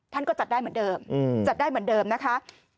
ท่านก็จัดได้เหมือนเดิมจัดได้เหมือนเดิมนะคะ